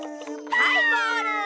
はいゴール！